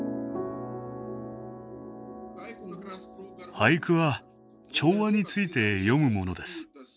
俳句は調和について詠むものです。